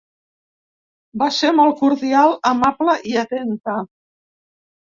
Va ser molt cordial, amable i atenta.